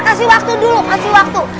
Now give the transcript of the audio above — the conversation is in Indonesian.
kasih waktu dulu kasih waktu